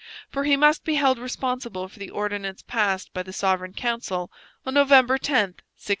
For he must be held responsible for the ordinance passed by the Sovereign Council on November 10, 1668.